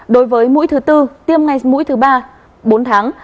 đối với mũi thứ tư tiêm ngay mũi thứ ba bốn tháng